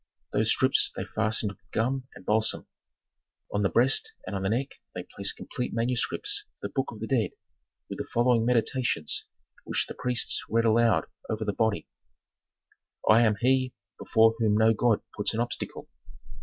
Those strips they fastened with gum and balsam. On the breast and on the neck they placed complete manuscripts of the Book of the Dead with the following meditations which the priests read aloud over the body, "I am he before whom no god puts an obstacle.